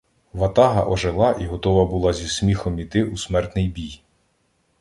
Ватага ожила і готова була зі сміхом іти у смертний бій.